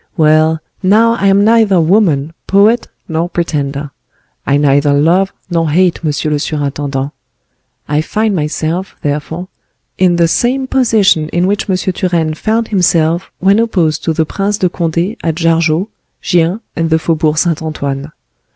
Well, now I am neither woman, poet, nor pretender: I neither love not hate monsieur le surintendant. I find myself, therefore, in the same position in which M. Turenne found himself when opposed to the Prince de Conde at Jargeau, Gien and the Faubourg Saint Antoine.